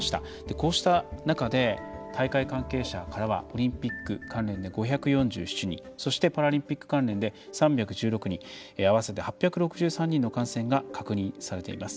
こうした中で大会関係者からはオリンピック関連で５４７人パラリンピック関連で３１６人合わせて８６３人の感染が確認されています。